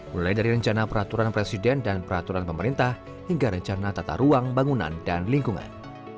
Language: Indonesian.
mulai dari rencana peraturan presiden dan peraturan pemerintah hingga rencana tata ruang bangunan dan lingkungan